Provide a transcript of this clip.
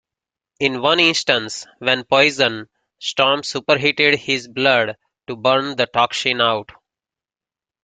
In one instance when poisoned, Storm superheated his blood to burn the toxin out.